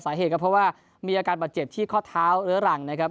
สาเหตุก็เพราะว่ามีอาการบาดเจ็บที่ข้อเท้าเรื้อรังนะครับ